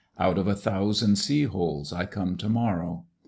Out of a thousand sea holes I come to morrow.